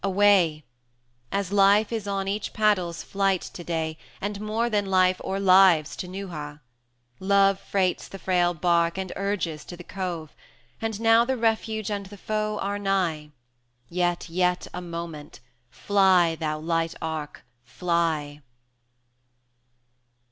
away! As Life is on each paddle's flight to day, And more than Life or lives to Neuha: Love Freights the frail bark and urges to the cove; And now the refuge and the foe are nigh Yet, yet a moment! Fly, thou light ark, fly!